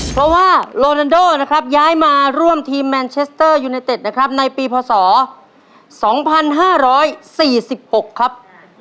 เพราะว่าโรนันโดย้ายมาร่วมทีมแมนเชสเตอร์ยูเนตเต็ดในปีพ๒๕๔๖ครับ